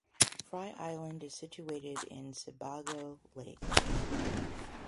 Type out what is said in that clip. Frye Island is situated in Sebago Lake.